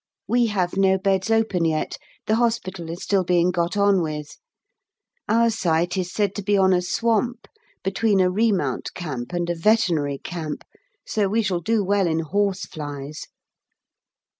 We have no beds open yet; the hospital is still being got on with; our site is said to be on a swamp between a Remount Camp and a Veterinary Camp, so we shall do well in horse flies.